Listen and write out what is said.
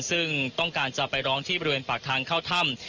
ซึ่งต้องการจะไปร้องที่บริเวณปากทางเข้าถ้ำ